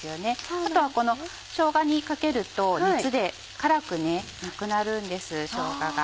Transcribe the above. あとはしょうがにかけると熱で辛くなくなるんですしょうがが。